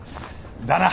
だな。